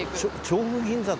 調布銀座。